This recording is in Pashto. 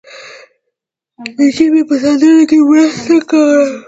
د ژبې په ساتلو کې مرسته کوله.